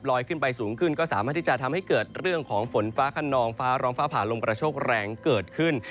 ขึ้นไปสูงขึ้นก็สามารถที่จะทำให้เกิดเรื่องของฝนฟ้าขนองฟ้าร้องฟ้าผ่าลมกระโชคแรงเกิดขึ้น